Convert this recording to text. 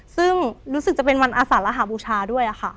ซึ่งรู้สึกจะเป็นวันอาสารหาบูชาด้วยค่ะ